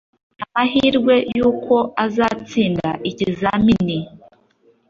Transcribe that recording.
Hari amahirwe yuko azatsinda ikizamini